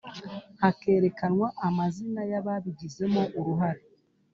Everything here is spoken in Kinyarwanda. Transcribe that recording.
hakerekanwa amazina yababigizemo uruhare